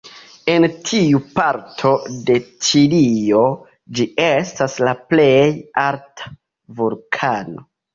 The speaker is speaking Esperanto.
En tiu parto de Ĉilio, ĝi estas la plej alta vulkano.